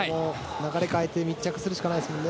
流れを変えて密着するしかないですね。